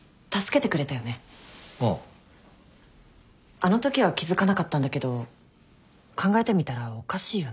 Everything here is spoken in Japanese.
あのときは気付かなかったんだけど考えてみたらおかしいよね？